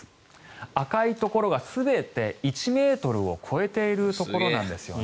赤いところが全て１ｍを超えているところなんですよね。